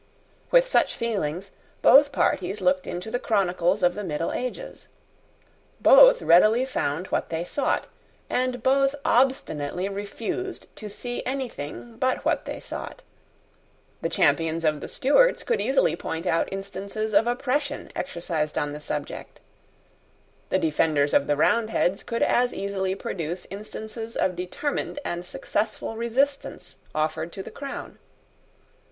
With such feelings, both parties looked into the chronicles of the middle ages. Both readily found what they sought; and both obstinately refused to see anything but what they sought. The champions of the Stuarts could easily point out instances of oppression exercised on the subject. The defenders of the Roundheads could as easily produce instances of determined and successful resistance offered to the Crown.